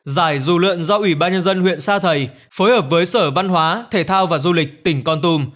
giải dù lượn do ủy ban nhân dân huyện sa thầy phối hợp với sở văn hóa thể thao và du lịch tỉnh con tùm